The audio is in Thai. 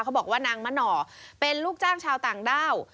บอกว่านางมะหน่อเป็นลูกจ้างชาวต่างด้าว